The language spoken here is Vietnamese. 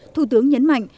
thủ tướng nhấn mạnh